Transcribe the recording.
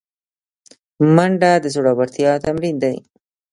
منډه د زړورتیا تمرین دی